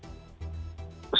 sebenarnya tidak ada